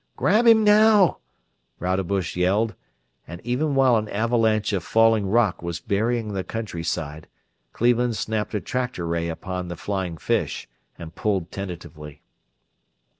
"Grab him now!" Rodebush yelled, and even while an avalanche of falling rock was burying the countryside, Cleveland snapped a tractor ray upon the flying fish and pulled tentatively.